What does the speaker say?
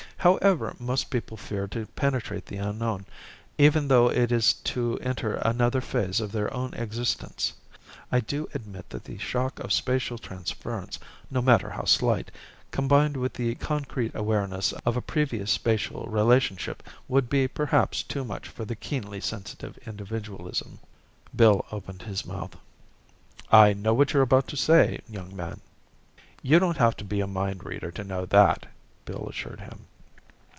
However, most people fear to penetrate the unknown, even though it is to enter another phase of their own existence. I do admit that the shock of spatial transference, no matter how slight, combined with the concrete awareness of a previous spatial relationship would be perhaps too much for the keenly sensitive individualism ..." Bill opened his mouth. "I know what you're about to say, young man!" "You don't have to be a mind reader to know that," Bill assured him.